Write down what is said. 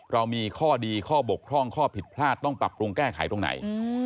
เรามีข้อดีข้อบกพร่องข้อผิดพลาดต้องปรับปรุงแก้ไขตรงไหน